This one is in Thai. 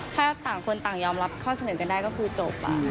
ถ้าต่างคนต่างยอมรับข้อเสนอกันได้ก็คือจบ